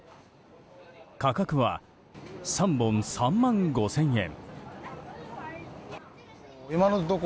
価格は３本３万５０００円。